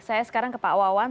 saya sekarang ke pak wawan